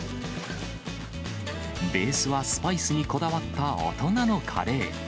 ベースはスパイスにこだわった大人のカレー。